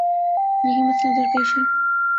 یہی مسئلہ درپیش ہے۔